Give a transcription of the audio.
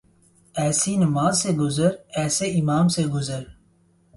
ایسی نماز سے گزر ایسے امام سے گزر